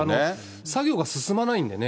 作業が進まないんでね。